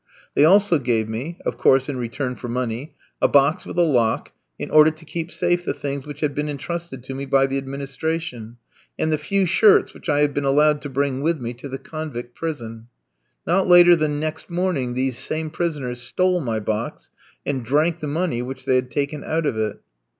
They also gave me of course in return for money a box with a lock, in order to keep safe the things which had been entrusted to me by the administration, and the few shirts that I had been allowed to bring with me to the convict prison. Not later than next morning these same prisoners stole my box, and drank the money which they had taken out of it.